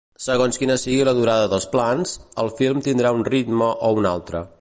Segons quina sigui la durada dels plans, el film tindrà un ritme o un altre.